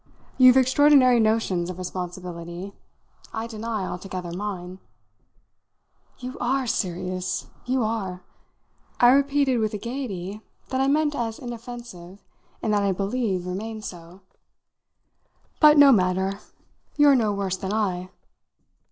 "You've extraordinary notions of responsibility. I deny altogether mine." "You are serious you are!" I repeated with a gaiety that I meant as inoffensive and that I believe remained so. "But no matter. You're no worse than I."